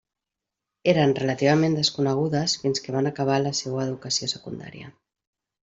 Eren relativament desconegudes fins que van acabar la seua educació secundària.